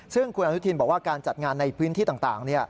ซึ่งคุณอนุทินบอกว่าการจัดงานในพื้นที่ต่าง